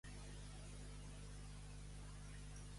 II els llibres es van començar a escriure en rotlles de paper.